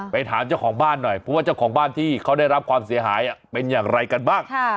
ถามเจ้าของบ้านหน่อยเพราะว่าเจ้าของบ้านที่เขาได้รับความเสียหายเป็นอย่างไรกันบ้าง